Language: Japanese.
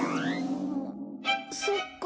そっか。